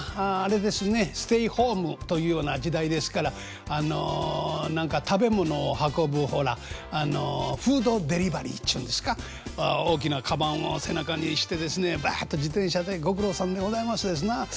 ステイホームというような時代ですからあの何か食べ物を運ぶほらあのフードデリバリーっちゅうんですか大きなかばんを背中にしてですねバッと自転車でご苦労さんでございますですな。